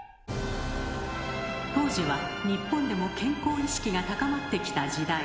当時は日本でも健康意識が高まってきた時代。